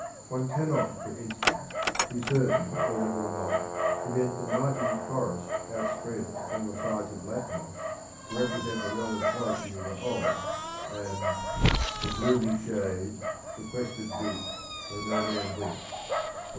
One cannot, for instance, be certain whether or not he meant the mighty forest outspread upon the sides of Latmos to represent the realm of poetry as a whole, and the gloomy shades, sequestered deep, Where no man went (I.